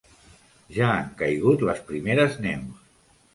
Ja han caigut les primeres neus.